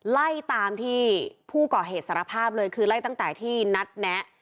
ไล่ตามที่ผู้ก่อเหตุสารภาพเลยคือไล่ตั้งแต่ที่นัดแนะ